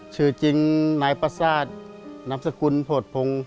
ชื่อจริงนายปราศาสตร์นำสคุณโผดพงศ์